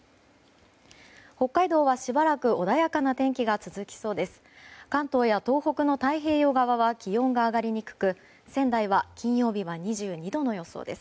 北海道はしばらく穏やかな天気が続きそうです。